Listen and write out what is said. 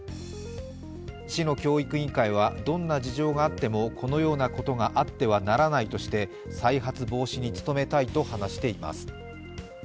市の教育委員会はどんな事情があってもこのようなことがあってはならないとして、再発防止に努めたいと話しています。